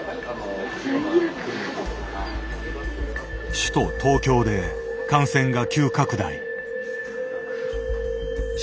首都・東京で感染が急拡大。